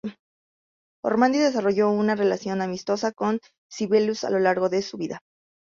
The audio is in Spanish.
Ormandy desarrolló una relación amistosa con Sibelius a lo largo de su vida.